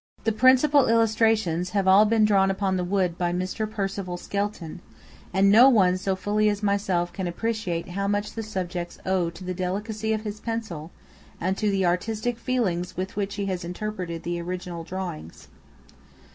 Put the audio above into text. The principal illustrations have all been drawn upon the wood by Mr. Percival Skelton; and no one so fully as myself can appreciate how much the subjects owe to the delicacy of his pencil, and to the artistic feelings with which he has interpreted the original drawings.